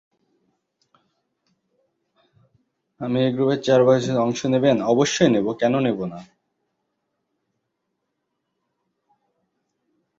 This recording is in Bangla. আপনি এই গ্রুপে চার বছরের জন্য অংশ নেবেন।